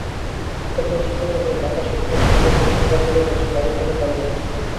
একপর্যায়ে ছিনতাইকারীরা ঢাকা-সখীপুর সড়কের প্রশিকা কার্যালয়ের পাশে গাড়ি ফেলে পালিয়ে যায়।